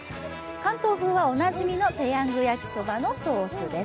関東風はおなじみのペヤングやきそばのソースです。